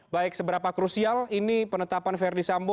baik seberapa krusial ini penetapan verdi sambo